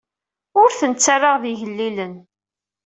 Ur ten-ttarraɣ d igellilen.